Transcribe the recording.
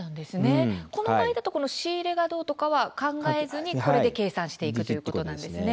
この場合だと仕入れがどうだとかは考えずに計算していくということなんですね。